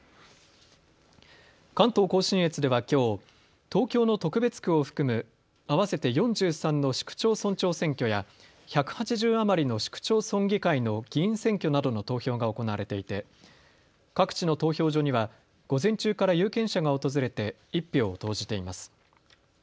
関東甲信越ではきょう東京の特別区を含む合わせて４３の市区町村長選挙や１８０余りの市区町村議会の議員選挙などの投票が行われていて各地の投票所には午前中から有権者が訪れて１票を投じています。